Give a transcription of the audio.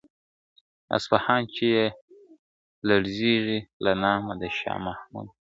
اصفهان چي یې لړزیږي له نامه د شاه محموده ..